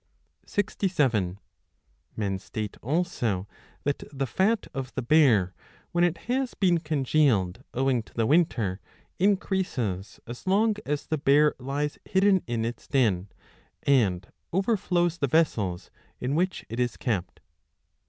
30 Men state also that the fat of the bear, when it has 67 been congealed owing to the winter, increases as long as the bear lies hidden in its den, and overflows the vessels in which it is kept.